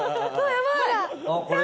やばい！